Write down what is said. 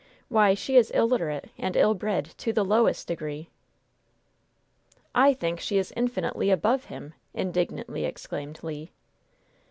Why, she is illiterate and ill bred to the lowest degree!" "I think she is infinitely above him!" indignantly exclaimed Le.